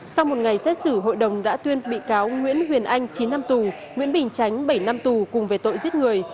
sau một ngày xét xử hội đồng đã tuyên bị cáo nguyễn huyền anh chín năm tù nguyễn bình chánh bảy năm tù cùng về tội giết người